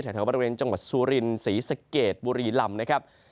แถวบริเวณจังหวัดสุรินศรีสะเกดบุรีลำนะครับ